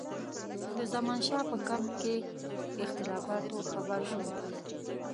د زمانشاه په کمپ کې اختلافاتو خبر شو.